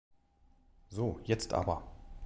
So, jetzt aber!